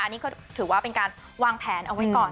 อันนี้ก็ถือว่าเป็นการวางแผนเอาไว้ก่อน